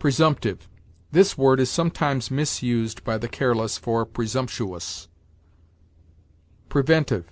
PRESUMPTIVE. This word is sometimes misused by the careless for presumptuous. PREVENTIVE.